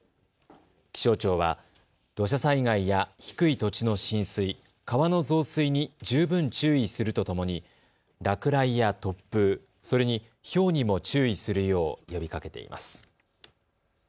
気象庁は土砂災害や低い土地の浸水、川の増水に十分注意するとともに落雷や突風、それに、ひょうにも注意するよう呼びかけています。